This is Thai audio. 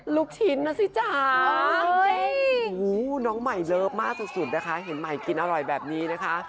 ลูกชิ้นนะสิจ๊ะน้องใหม่เลิฟมากสุดนะคะเห็นใหม่กินอร่อยแบบนี้นะคะ